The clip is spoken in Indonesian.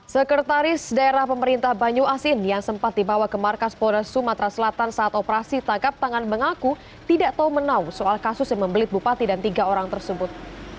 sekretaris daerah pemerintah banyu asin yang sempat dibawa ke markas polda sumatera selatan saat operasi tangkap tangan mengaku tidak tahu menau soal kasus yang membelit bupati dan tiga orang tersebut